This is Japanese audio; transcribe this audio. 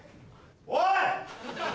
おい！